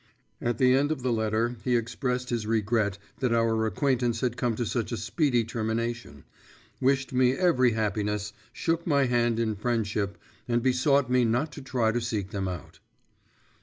At the end of the letter he expressed his regret that our acquaintance had come to such a speedy termination, wished me every happiness, shook my hand in friendship, and besought me not to try to seek them out.